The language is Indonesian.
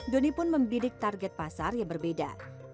doni pun membidik target pasar yang berbeda